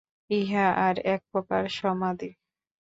ইহা আর এক প্রকার সমাধি।